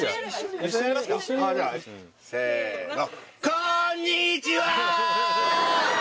せの。